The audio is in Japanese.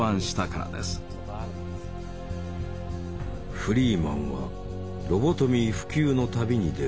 フリーマンはロボトミー普及の旅に出る。